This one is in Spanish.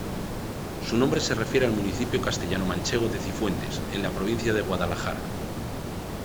Su nombre se refiere al municipio castellano-manchego de Cifuentes, en la provincia de Guadalajara.